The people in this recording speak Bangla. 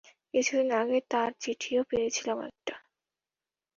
কিছুদিন আগে তার চিঠিও পেয়েছিলাম একটা।